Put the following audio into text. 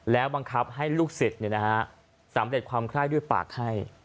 แล้วบังคับให้ลูกศิษย์สำเร็จความไคร้ด้วยปากให้